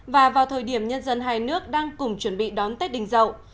và vào thời điểm nhân dân hai nước đang cùng chuẩn bị đón tết đình dậu